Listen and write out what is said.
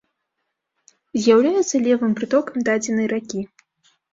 З'яўляецца левым прытокам дадзенай ракі.